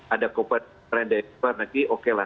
ada koperan dari negara oke lah